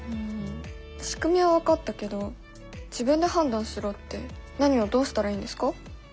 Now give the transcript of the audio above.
しくみは分かったけど自分で判断しろって何をどうしたらいいんですか？